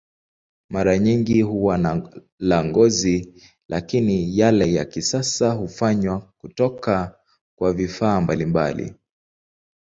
Mara nyingi huwa la ngozi, lakini yale ya kisasa hufanywa kutoka kwa vifaa mbalimbali.